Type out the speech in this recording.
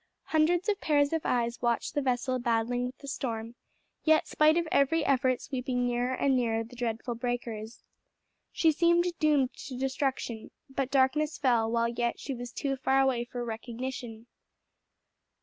Hundreds of pairs of eyes watched the vessel battling with the storm, yet spite of every effort sweeping nearer and nearer the dreadful breakers. She seemed doomed to destruction, but darkness fell while yet she was too far away for recognition.